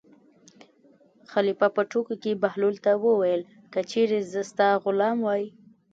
خلیفه په ټوکو کې بهلول ته وویل: که چېرې زه ستا غلام وای.